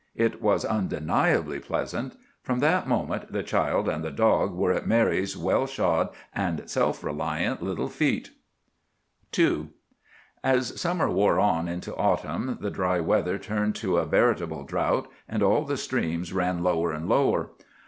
It was undeniably pleasant. From that moment the child and the dog were at Mary's well shod and self reliant little feet. II As summer wore on into autumn the dry weather turned to a veritable drought, and all the streams ran lower and lower.